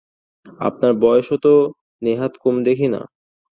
আপনার বয়সও তো নেহাত কম দেখি না।